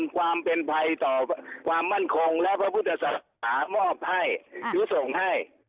ความเป็นภัยต่อความมั่นคงและพระพุทธศาสนามอบให้หรือส่งให้